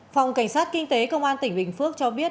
phòng cảnh sát kinh tế công an tỉnh bình phước cho biết